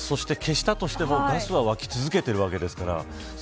そして、消したとしてもガスはわき続けているわけですから。